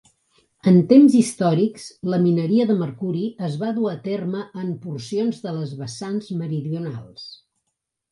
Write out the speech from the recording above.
En temps històrics, la mineria de Mercuri es va dur a terme en porcions de les vessants meridionals.